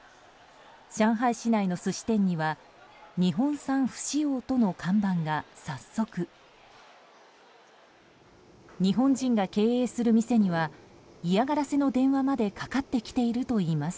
上海市内の寿司店には日本産不使用との看板が早速。日本人が経営する店には嫌がらせの電話までかかってきているといいます。